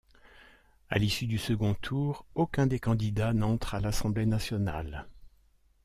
À l'issue du second tour, aucun des candidats n'entre à l'Assemblée nationale.